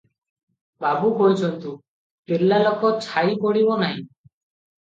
ବାବୁ କହିଛନ୍ତି, ତିର୍ଲା ଲୋକ ଛାଇ ପଡ଼ିବ ନାହିଁ!